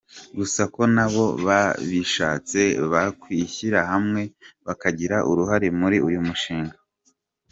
Gusa ko nabo babishatse bakwishyira hamwe bakagira uruhare muri uyu mushinga.